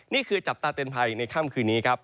นี่คือจับตาเตือนภัยในค่ำคืนนี้ครับ